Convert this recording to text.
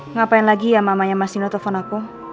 ngapain lagi ya mamanya mas nino telepon aku